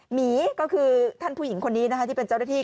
หมีก็คือท่านผู้หญิงคนนี้นะคะที่เป็นเจ้าหน้าที่